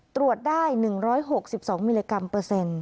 ตรวจได้๑๖๒มิลลิกรัมเปอร์เซ็นต์